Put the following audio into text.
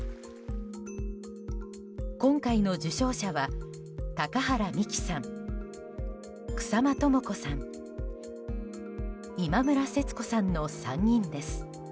今回の受章者は、高原美貴さん草間朋子さん、今村節子さんの３人です。